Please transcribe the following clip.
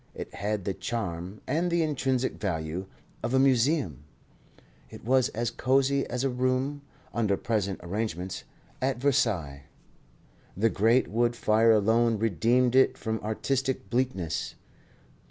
It had the charm (and the intrinsic value) of a museum; it was as cosy as a room (under present arrangements) at Versailles. The great wood fire alone redeemed it from artistic bleakness.